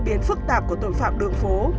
trong lúc phức tạp của tội phạm đường phố